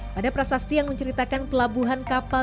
pada prasasti yang menceritakan pelabuhan kapal